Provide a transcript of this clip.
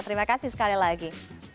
terima kasih sekali lagi